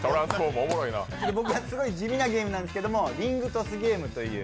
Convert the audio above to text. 僕はすごい地味なゲームなんですけどリングトスゲームという。